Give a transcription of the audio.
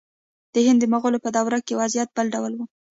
د هند د مغولو په دور کې وضعیت بل ډول و.